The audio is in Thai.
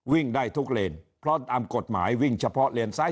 วิ่งได้ทุกเลนเพราะตามกฎหมายวิ่งเฉพาะเลนซ้าย